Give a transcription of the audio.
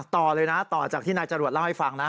ต่อเลยนะต่อจากที่นายจรวดเล่าให้ฟังนะ